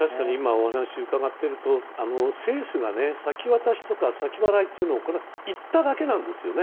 お話を伺っていると政府が先渡しとか先払いというのを言っただけなんですよね。